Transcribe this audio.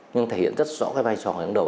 nhưng thể hiện rất rõ vai trò